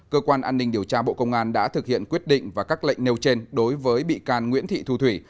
cơ quan an ninh điều tra bộ công an đã thực hiện quyết định và các lệnh nêu trên đối với bị can nguyễn thị thu thủy